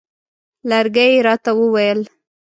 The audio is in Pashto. لرګی یې راته وویل.